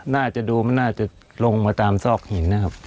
น่าจะดูมันน่าจะลงมาตามซอกหินนะครับ